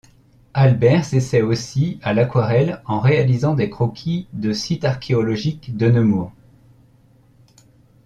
Albert s'essaie aussi à l'aquarelle en réalisant des croquis de sites archéologiques de Nemours.